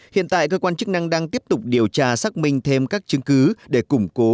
hiện tại cơ quan chức năng đang tiếp tục điều tra xác minh thêm các chứng cứ để củng cố